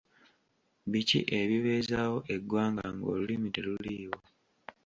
Biki ebibeezaawo eggwanga ng’olulimi teruliiwo